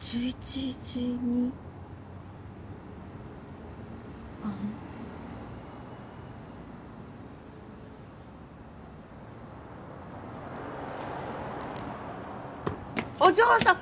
１１時にあのお嬢さん！